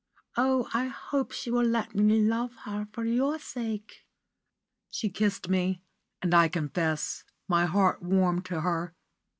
Oh, I hope she will let me love her for your sake." She kissed me, and, I confess, my heart warmed to her.